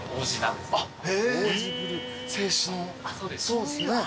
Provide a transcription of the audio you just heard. そうです。